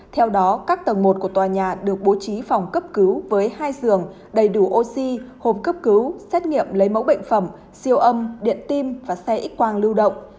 theo đó các tầng một của tòa nhà được bố trí phòng cấp cứu với hai giường đầy đủ oxy hộp cấp cứu xét nghiệm lấy mẫu bệnh phẩm siêu âm điện tim và xe ít quang lưu động